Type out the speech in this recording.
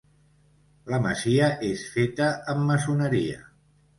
La masia és feta amb maçoneria.